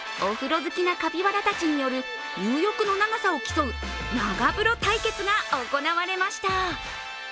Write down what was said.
好きなカピバラたちによる入浴の長さを競う長風呂対決が行われました。